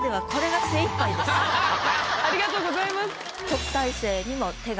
ありがとうございます。